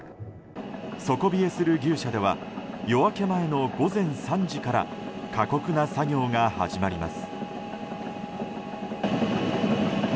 底冷えする牛舎では夜明け前の午前３時から過酷な作業が始まります。